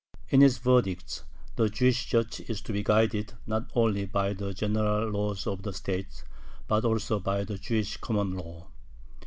In his verdicts the "Jewish judge" is to be guided not only by the general laws of the state, but also by the Jewish common law.